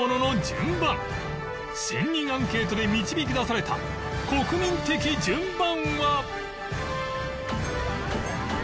１０００人アンケートで導き出された国民的順番は？